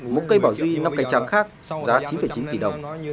một cây bảo duy năm cánh trắng khác giá chín chín tỷ đồng